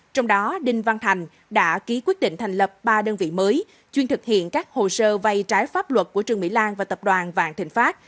trong đó đinh văn thành đã ký quyết định thành lập ba đơn vị mới chuyên thực hiện các hồ sơ vay trái pháp luật của trương mỹ lan và tập đoàn vạn thịnh pháp